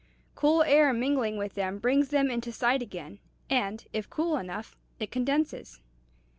Cool air mingling with them brings them into sight again; and, if cool enough, it condenses."